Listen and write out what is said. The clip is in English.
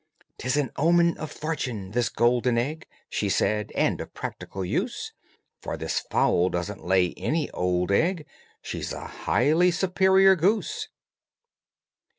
"'Tis an omen of fortune, this gold egg," She said, "and of practical use, For this fowl doesn't lay any old egg, She's a highly superior goose."